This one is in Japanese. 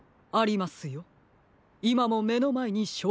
いまもめのまえにしょうこがあります。